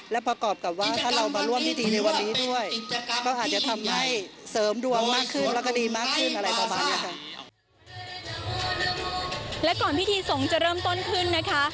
และก่อนพิธีสงฆ์จะเริ่มต้นขึ้นนะคะ